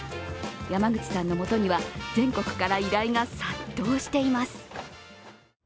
山口さんのもとには、全国から依頼が殺到しています。